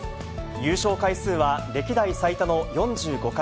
優勝回数は歴代最多の４５回。